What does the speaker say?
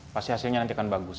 pasti hasilnya nanti akan bagus